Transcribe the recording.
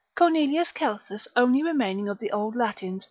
Cornelius Celsus only remaining of the old Latins, lib.